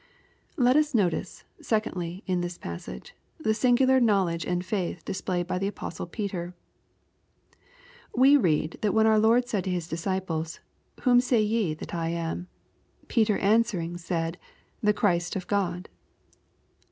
Let us notice, secondly, in this passage, the singular knowledge and faith displayed by the Apostle Peter. We read, that when our Lord said to His disciples, '^ Whom say ye that I am ? Peter answering, said, the Christ of God."